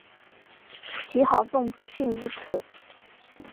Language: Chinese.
其豪纵不逊如此。